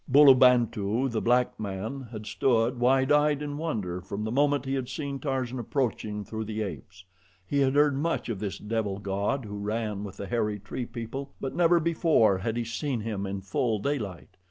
Bulabantu, the black man, had stood wide eyed in wonder from the moment he had seen Tarzan approaching through the apes. He had heard much of this devil god who ran with the hairy tree people; but never before had he seen him in full daylight.